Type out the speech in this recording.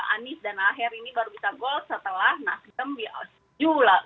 anies dan ahy ini baru bisa goal setelah nasdem setuju lah